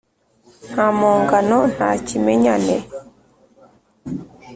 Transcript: nta mpongano nta kimenyane,